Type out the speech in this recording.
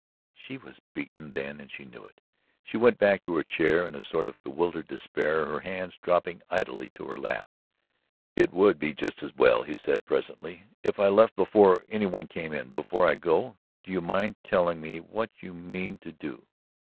She was beaten then and she knew it. She went back to her chair in a sort of bewildered despair, her hands dropping idly to her lap. "It would be just as well," he said presently, "if I left before any one came in. Before I go, do you mind telling me what you mean to do?